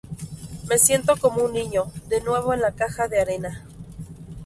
Me siento como un niño de nuevo en la caja de arena".